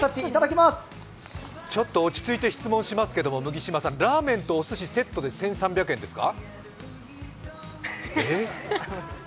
落ち着いて質問しますけど麦島さん、ラーメンとお寿司、セットで１３００円ですか？